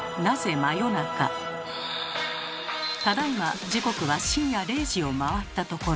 ただいま時刻は深夜０時を回ったところ。